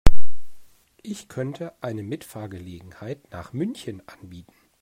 Ich könnte eine Mitfahrgelegenheit nach München anbieten